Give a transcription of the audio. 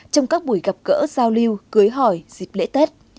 trong các buổi gặp gỡ giao lưu cưới hỏi dịp lễ tết